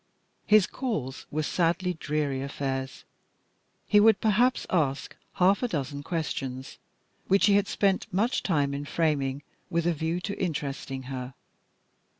His calls were sadly dreary affairs. He would ask perhaps half a dozen questions, which he had spent much care in framing with a view to interesting her.